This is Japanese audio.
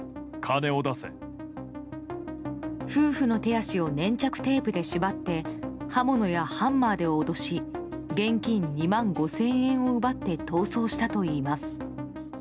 夫婦の手足を粘着テープで縛って刃物やハンマーで脅し現金２万５０００円を奪って逃走したといいます。